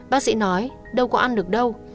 bác sĩ nói đâu có ăn được đâu